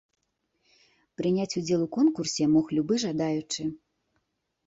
Прыняць удзел у конкурсе мог любы жадаючы.